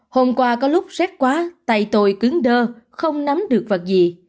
hôm qua có lúc xét quá tay tôi cứng đơ không nắm được vật gì